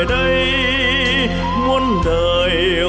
muốn đời hồn muốn đời hồn